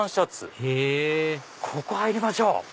へぇここ入りましょう！